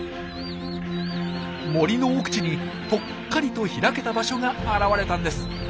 森の奥地にぽっかりと開けた場所が現れたんです。